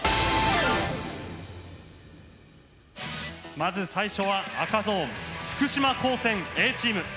まず最初は赤ゾーン福島高専Ａチーム。